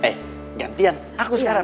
eh gantian aku sekarang